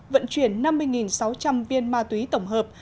vận chuyển năm mươi sáu trăm linh viên ma túy tổng hợp